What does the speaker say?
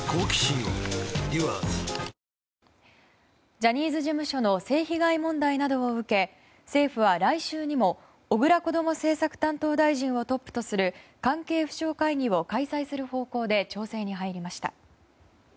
ジャニーズ事務所の性被害問題などを受け政府は来週にも小倉こども政策担当大臣をトップとする関係府省会議を開催する方向で調整に入りました。